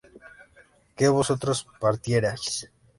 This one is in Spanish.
¿que vosotros partierais?